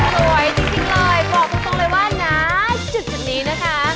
สวยจริงเลยบอกตรงเลยว่านะจุดนี้นะคะ